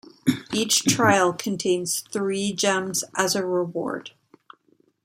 Each trial contains three gems as a reward.